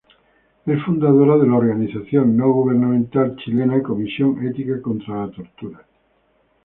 Es fundadora de la organización no gubernamental chilena Comisión Ética Contra la Tortura.